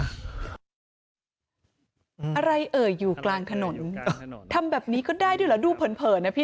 อะไรเอ่ยอยู่กลางถนนทำแบบนี้ก็ได้ด้วยเหรอดูเผินนะพี่